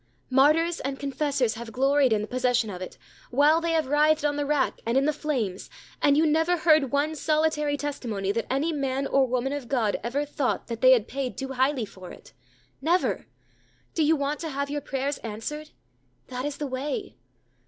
_ Martyrs and confessors have gloried in the possession of it while they have writhed on the rack and in the flames, and you never heard one solitary testimony that any man or woman of God ever thought that they had paid too highly for it. Never! Do you want to have your prayers answered? That is the way.